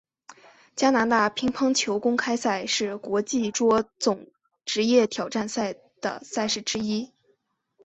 加拿大乒乓球公开赛是国际桌总职业挑战赛的赛事之一。